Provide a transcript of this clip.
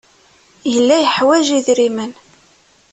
Yella yeḥwaj idrimen.